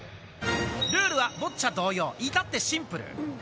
ルールはボッチャ同様、至ってシンプル。